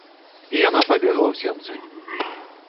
І яна пабегла ў сенцы.